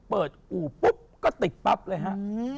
อู่ปุ๊บก็ติดปั๊บเลยฮะ